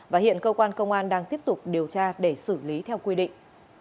và hiện cơ quan công an đang tiếp tục điều tra để xử lý theo quy định